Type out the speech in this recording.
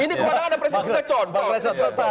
ini kewenangan presiden kita contoh